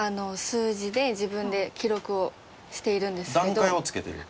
段階をつけてる？